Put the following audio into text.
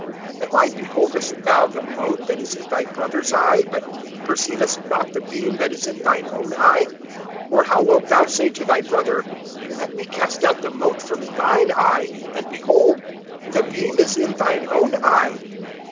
(3)And why beholdest thou the mote that is in thy brother's eye, but perceivest not the beam that is in thine own eye? (4)Or how wilt thou say to thy brother: Let me cast out the mote from thine eye; and behold, the beam is in thine own eye?